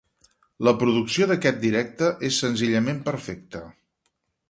La producció d'aquest directe és senzillament perfecta.